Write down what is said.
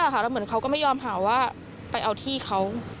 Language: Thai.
แล้วเหมือนเขาก็ไม่ยอมหาว่าไปเอาที่เขา